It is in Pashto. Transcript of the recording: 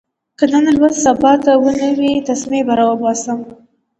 که نن لوست سبا ته ونه وي، تسمې به اوباسم.